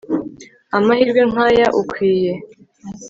amahirwe nkaya ukwiye